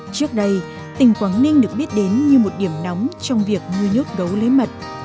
trước đây tỉnh quảng ninh được biết đến như một điểm nóng trong việc nuôi nhốt gấu lấy mật